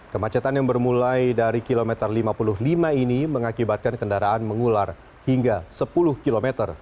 kemacetan yang bermulai dari kilometer lima puluh lima ini mengakibatkan kendaraan mengular hingga sepuluh km